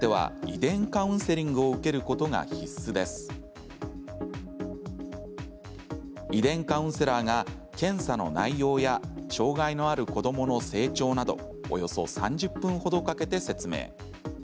遺伝カウンセラーが検査の内容や障がいのある子どもの成長などおよそ３０分ほどかけて説明。